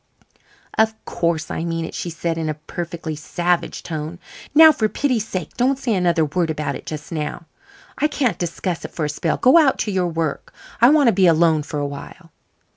"Of course I mean it," she said, in a perfectly savage tone. "Now, for pity's sake, don't say another word about it just now. I can't discuss it for a spell. Go out to your work. I want to be alone for awhile."